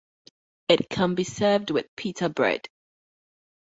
It can be served with pita bread.